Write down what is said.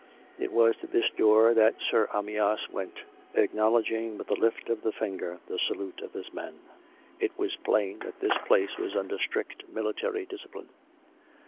It was to this door that Sir Amyas went, acknowledging with a lift of the finger the salute of his men. (It was plain that this place was under strict military discipline.)